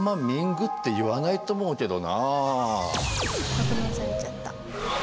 格納されちゃった。